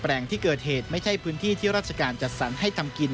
แหล่งที่เกิดเหตุไม่ใช่พื้นที่ที่ราชการจัดสรรให้ทำกิน